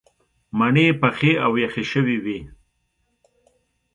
مڼې پخې او یخې شوې وې.